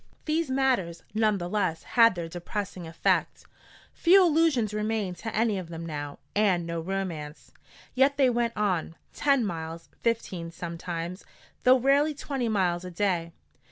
] These matters none the less had their depressing effect. Few illusions remained to any of them now, and no romance. Yet they went on ten miles, fifteen sometimes, though rarely twenty miles a day.